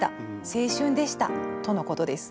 青春でした」とのことです。